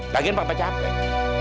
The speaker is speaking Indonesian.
lagian papa capek